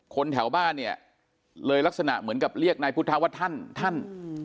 แถวบ้านเนี่ยเลยลักษณะเหมือนกับเรียกนายพุทธว่าท่านท่าน